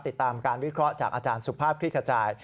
ติดตามการวิเคราะห์จากอาจารย์สุภาพคลิกขจาย